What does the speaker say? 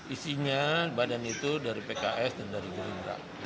isinya badan itu dari pks dan dari gerindra